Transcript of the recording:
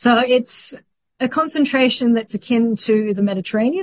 jadi itu adalah konsentrasi yang terkait dengan mediteranean